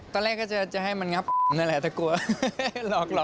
ตอนแรกก็จะให้มันงับนั่นแหละแต่กลัวหลอก